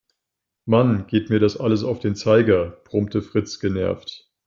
Mann, geht mir das alles auf den Zeiger, brummte Fritz genervt.